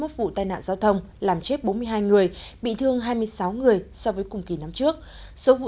hai mươi vụ tai nạn giao thông làm chết bốn mươi hai người bị thương hai mươi sáu người so với cùng kỳ năm trước số vụ